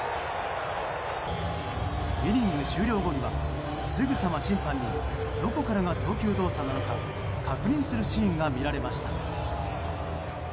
イニング終了後にはすぐさま審判にどこからが投球動作なのか確認するシーンが見られました。